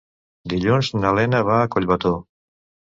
Dilluns na Lena va a Collbató.